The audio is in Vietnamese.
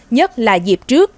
nhất là dịp trước